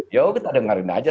ya kita dengarin saja